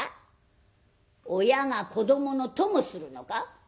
「親が子どもの供するのか？」。